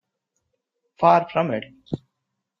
Far from it.